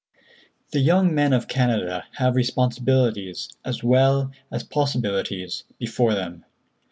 The young men of Canada have great responsibilities as well as possibilities before them.